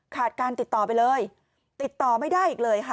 การติดต่อไปเลยติดต่อไม่ได้อีกเลยค่ะ